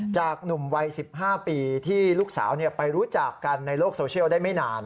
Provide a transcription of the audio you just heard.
หนุ่มวัย๑๕ปีที่ลูกสาวไปรู้จักกันในโลกโซเชียลได้ไม่นาน